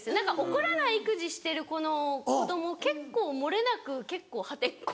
怒らない育児してる子の子供結構漏れなく結構破天荒な。